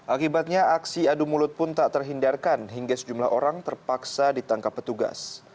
akibatnya aksi adu mulut pun tak terhindarkan hingga sejumlah orang terpaksa ditangkap petugas